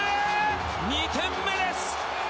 ２点目です！